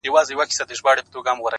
زما پښتون زما ښايسته اولس ته”